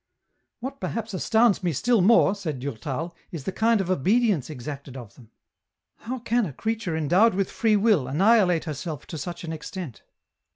" What perhaps astounds me still more," said Durtal, " is the kind of obedience exacted of them. How can a creature endowed with free will annihilate herself to such an extent